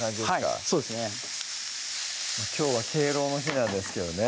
はいそうですねきょうは敬老の日なんですけどね